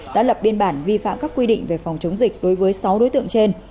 đã lập biên bản vi phạm các quy định về phòng chống dịch đối với sáu đối tượng trên